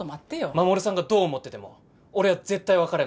衛さんがどう思ってても俺は絶対別れないから。